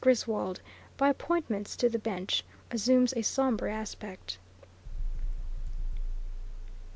Griswold by appointments to the bench, assumes a sombre aspect.